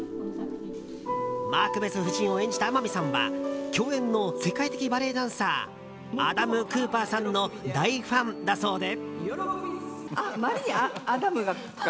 マクベス夫人を演じた天海さんは共演の世界的バレエダンサーアダム・クーパーさんの大ファンだそうで。